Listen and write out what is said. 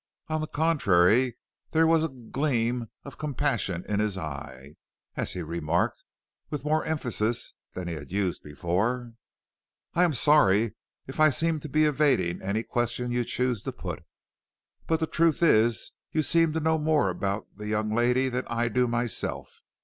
On the contrary, there was a gleam of compassion in his eye, as he remarked, with more emphasis than he had before used: "I am sorry if I seem to be evading any question you choose to put. But the truth is you seem to know more about the young lady than I do myself.